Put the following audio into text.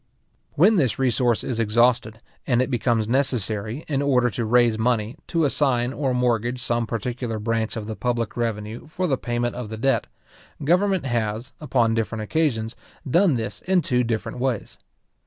When this resource is exhausted, and it becomes necessary, in order to raise money, to assign or mortgage some particular branch of the public revenue for the payment of the debt, government has, upon different occasions, done this in two different ways.